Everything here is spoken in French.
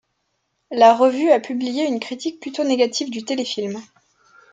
La revue ' a publié une critique plutôt négative du téléfilm.